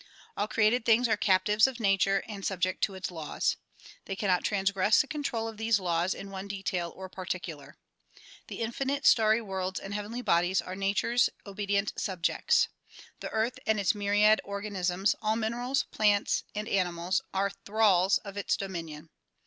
All created things are captives of nature and subject to its laws. They cannot transgress the control of these laAvs in one detail or particular. The infinite starry worlds and heavenly bodies are nature's obedient subjects. The earth and its myriad organisms, all minerals, plants and animals are thralls of its dominion.